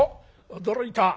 驚いた。